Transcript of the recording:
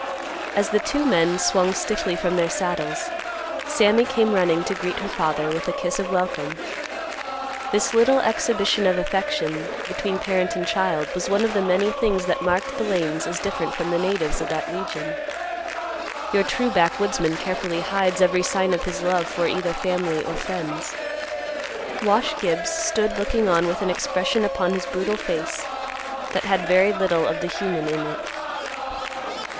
As the two men swung stiffly from their saddles, Sammy came running to greet her father with a kiss of welcome; this little exhibition of affection between parent and child was one of the many things that marked the Lanes as different from the natives of that region. Your true backwoodsman carefully hides every sign of his love for either family or friends. Wash Gibbs stood looking on with an expression upon his brutal face that had very little of the human in it.